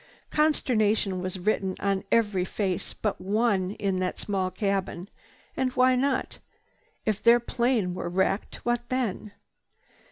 Consternation was written on every face but one in that small cabin. And why not? If their plane were wrecked, what then?